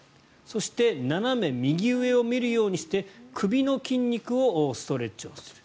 そして斜め右上を見るようにして首の筋肉をストレッチをする。